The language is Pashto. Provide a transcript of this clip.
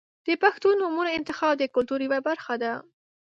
• د پښتو نومونو انتخاب د کلتور یوه برخه ده.